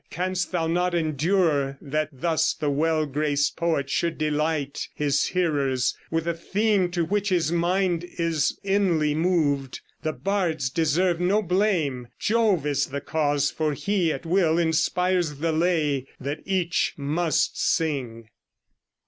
canst thou not endure That thus the well graced poet should delight His hearers with a theme to which his mind Is inly moved? The bards deserve no blame; Jove is the cause, for he at will inspires The lay that each must sing.'"